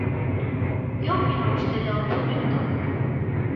Que opina vostede ao respecto?